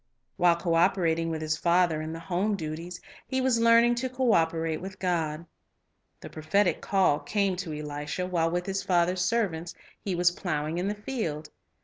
While co operating with his father in the home duties, he was learning to co operate with God. The prophetic call came to Elisha while with his father's servants he was plowing in the field.